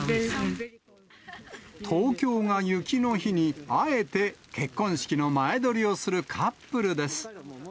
東京が雪の日に、あえて結婚式の前撮りをするカップルです。